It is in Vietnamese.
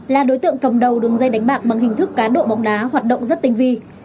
là đối tượng cầm đầu đường dây đánh bạc bằng hình thức cá độ bóng đá hoạt động rất tinh vi